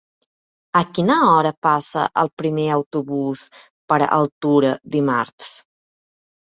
A quina hora passa el primer autobús per Altura dimarts?